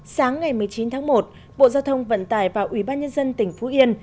sáng ngày một mươi chín tháng một bộ giao thông vận tải và ủy ban nhân dân tỉnh phú yên